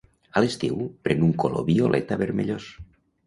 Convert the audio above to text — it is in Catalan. A l'estiu pren un color violeta vermellós.